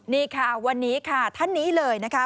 นี่ค่ะวันนี้ค่ะท่านนี้เลยนะคะ